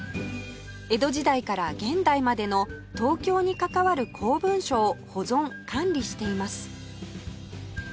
江戸時代から現代までの東京に関わる公文書を保存管理しています